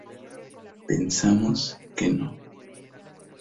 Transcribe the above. Pensamos que no.